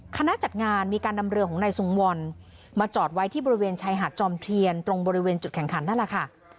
คณะจัดงานมีการนำเรือของนายทรงวรมาจอดไว้ที่บริเวณชายหาดจอมเทียนตรงบริเวณจุดแข่งขันนั่นแหละค่ะ